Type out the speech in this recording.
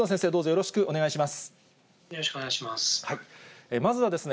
よろしくお願いします。